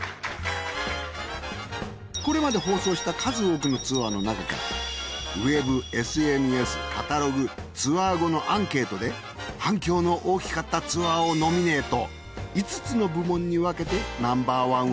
これまで放送した数多くのツアーのなかからウェブＳＮＳカタログツアー後のアンケートで反響の大きかったツアーをノミネート！